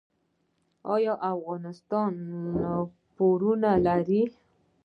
آیا افغانستان پورونه لري؟